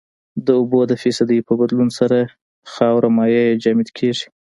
د اوبو د فیصدي په بدلون سره خاوره مایع یا جامد کیږي